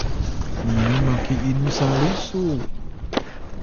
Sayun: niya maki inu sali su?